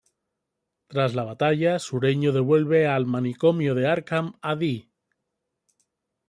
Tras la batalla, Sueño devuelve al manicomio de Arkham a Dee.